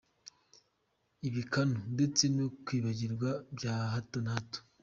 ibikanu, ndetse no kwibagirwa bya hato na hato.